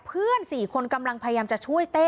เพื่อน๔คนกำลังพยายามจะช่วยเต้